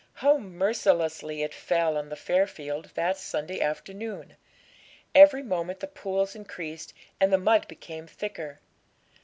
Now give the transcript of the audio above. How mercilessly it fell on the Fair field that Sunday afternoon! Every moment the pools increased and the mud became thicker.